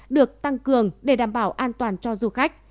được tăng cường để đảm bảo an toàn cho du khách